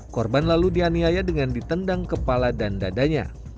korban lalu dianiaya dengan ditendang kepala dan dadanya